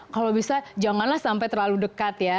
kalau bisa janganlah sampai terlalu dekat ya